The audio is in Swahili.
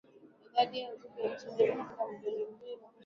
Idadi ya Uzbeks nchini Afghanistan inafikia milioni moja nukta mbili